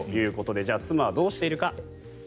じゃあ、妻はどうしているか。